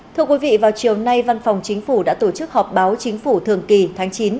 thưa quý vị vào chiều nay văn phòng chính phủ đã tổ chức họp báo chính phủ thường kỳ tháng chín